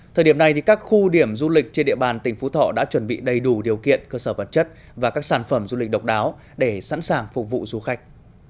thời điểm này các khu điểm du lịch trên địa bàn tỉnh phú thọ đã chuẩn bị đầy đủ điều kiện cơ sở vật chất và các sản phẩm du lịch độc đáo để sẵn sàng phục vụ du khách